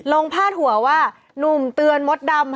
พาดหัวว่านุ่มเตือนมดดำ